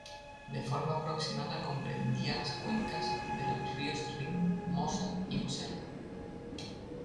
De forma aproximada comprendía las cuencas de los ríos Rin, Mosa y Mosela.